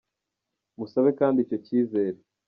Musabe kandi icyo kizere